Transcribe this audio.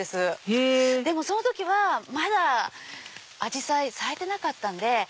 へぇでもその時はまだアジサイ咲いてなかったんで。